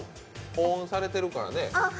保温されてるからね。